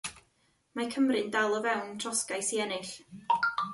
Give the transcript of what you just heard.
Mae Cymru'n dal o fewn trosgais i ennill.